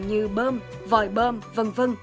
như bơm vòi bơm v v